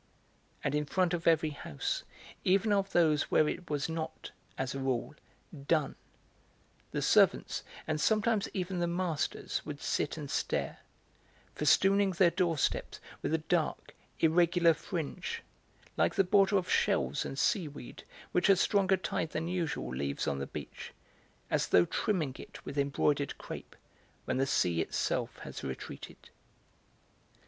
And in front of every house, even of those where it was not, as a rule, 'done,' the servants, and sometimes even the masters would sit and stare, festooning their doorsteps with a dark, irregular fringe, like the border of shells and sea weed which a stronger tide than usual leaves on the beach, as though trimming it with embroidered crape, when the sea itself has retreated.